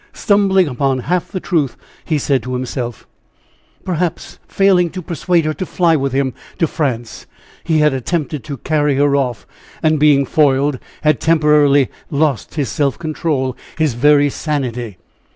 Stumbling upon half the truth, he said to himself: "Perhaps failing to persuade her to fly with him to France, he had attempted to carry her off, and being foiled, had temporarily lost his self control, his very sanity.